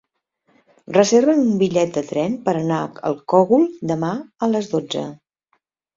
Reserva'm un bitllet de tren per anar al Cogul demà a les dotze.